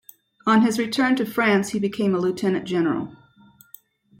On his return to France, he became a lieutenant-general.